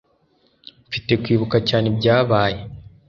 Mfite kwibuka cyane ibyabaye.